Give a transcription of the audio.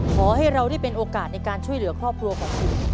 ขอให้เราได้เป็นโอกาสในการช่วยเหลือครอบครัวของคุณ